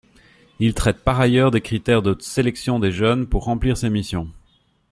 Il traite par ailleurs des critères de sélection des jeunes pour remplir ces missions.